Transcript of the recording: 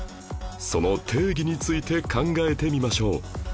その定義について考えてみましょう